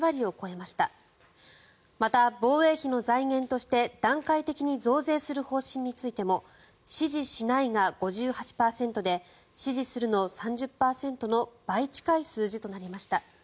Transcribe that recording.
また、防衛費の財源として段階的に増税する方針についても支持しないが５８％で支持するの３０％の倍近い数字となりました。